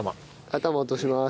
頭落とします。